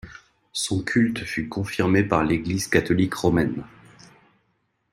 Son culte fut confirmé par l’Église catholique romaine.